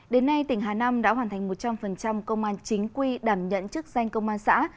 đến nay tỉnh hà nam đã hoàn thành một trăm linh công an chính quy đảm nhận chức danh công an xã